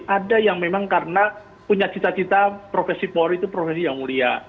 ada yang memang karena punya cita cita profesi polri itu profesi yang mulia